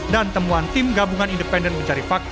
dan temuan tim gabungan independen mencari fakta